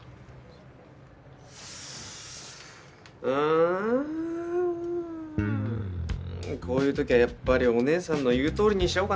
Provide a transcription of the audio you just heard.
うんこういう時はやっぱりおねえさんの言うとおりにし